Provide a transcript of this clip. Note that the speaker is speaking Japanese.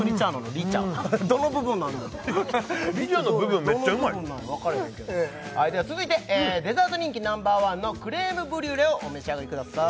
リチャの部分めっちゃうまいどの部分なのかわからへんけどでは続いてデザート人気Ｎｏ．１のクレームブリュレをお召し上がりください